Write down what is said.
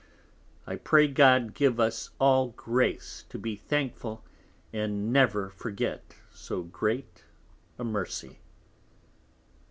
I pray God give us all Grace to be thankful, and never forget so great a mercy.